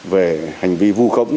về hành vi vô khống